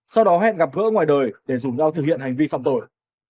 sau đó hẹn gặp gỡ ngoài đời để rủ nhau thực hiện hành vi phạm tội